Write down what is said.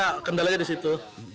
nah kendalanya di situ